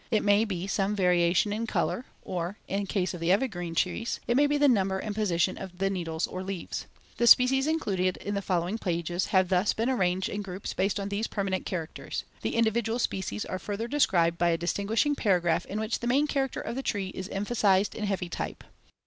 It may be some variation in color, or, in case of the evergreen trees, it may be the number and position of the needles or leaves. The species included in the following pages have thus been arranged in groups based on these permanent characters. The individual species are further described by a distinguishing paragraph in which the main character of the tree is emphasized in heavy type.